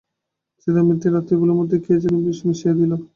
ছিদামের দিন এবং রাত্রিগুলির মধ্যে কে যেন বিষ মিশাইয়া দিল।